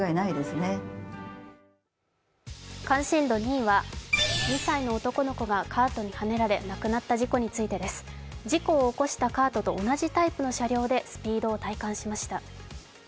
２位は、２歳の男の子がカートにはねられ亡くなった事故についてです。事故を起こしたカートと同じタイプの車両でスピードを体感しました。